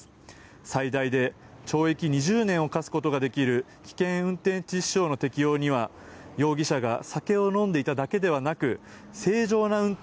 最大で懲役２０年を科すことができる危険運転致死傷の適用には容疑者が酒を飲んでいただけではなく正常な運転。